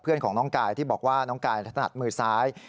เพื่อนของน้องกายที่บอกว่าน้องกายถนัดมือซ้าย